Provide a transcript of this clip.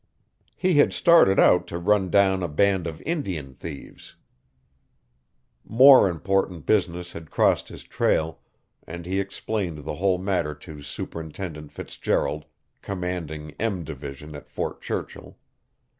He had started out to run down a band of Indian thieves. More important business had crossed his trail, and he explained the whole matter to Superintendent Fitzgerald, commanding "M" Division at Fort Churchill.